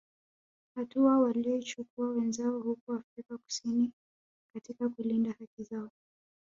Hatua walioichukua wenzao huko Afrika kusini katika kulinda haki zao